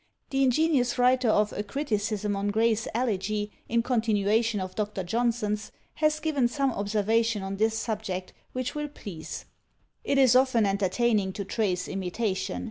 The ingenious writer of "A Criticism on Gray's Elegy, in continuation of Dr. Johnson's," has given some observations on this subject, which will please. "It is often entertaining to trace imitation.